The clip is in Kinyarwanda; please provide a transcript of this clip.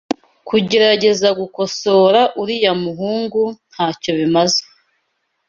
Kugerageza gukosora uriya muhungu ntacyo bimaze.